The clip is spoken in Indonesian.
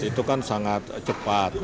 itu kan sangat cepat